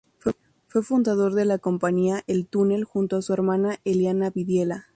Fue fundador de la compañía "El Túnel", junto a su hermana Eliana Vidiella.